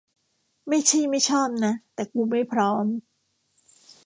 ไม่ใช่ไม่ชอบนะ แต่กูไม่พร้อม